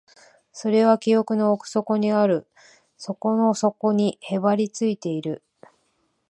それは記憶の奥底にある、底の底にへばりついている